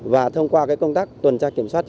và thông qua công tác tuần tra kiểm soát